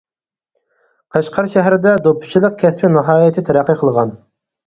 قەشقەر شەھىرىدە دوپپىچىلىق كەسپى ناھايىتى تەرەققىي قىلغان.